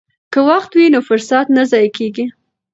که وخت وي نو فرصت نه ضایع کیږي.